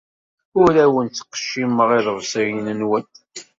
Ur awen-ttqeccimeɣ iḍebsiyen-nwen.